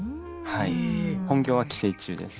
はい本業は寄生虫です。